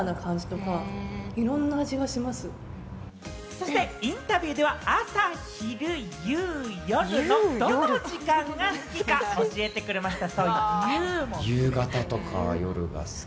そしてインタビューでは朝・昼・夕・夜のどの時間が好きか、教えてくれました。